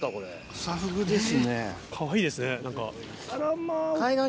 クサフグですね。